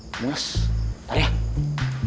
dengar taruh ya